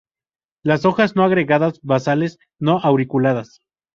Las hojas no agregadas basales; no auriculadas.